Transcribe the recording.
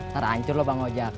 terancur lu bang gojak